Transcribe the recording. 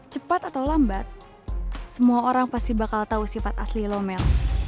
cepat atau lambat semua orang pasti bakal tau sifat asli lo mel